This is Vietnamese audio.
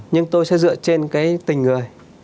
nhưng tôi sẽ dựa trên cái tình người